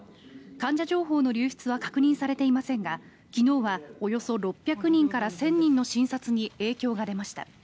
患者情報の流出は確認されていませんが昨日はおよそ６００人から１０００人の診察に影響が出ました。